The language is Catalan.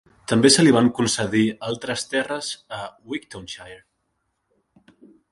També se li van concedir altres terres a Wigtownshire.